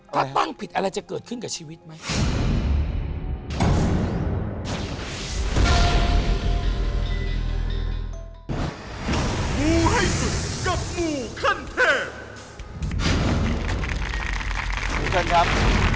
ถ้าตั้งผิดอะไรจะเกิดขึ้นกับชีวิตไหม